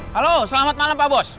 halo selamat malam pak bos